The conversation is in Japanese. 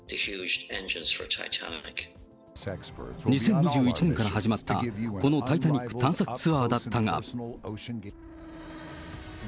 ２０２１年から始まったこのタイタニック探索ツアーだったが。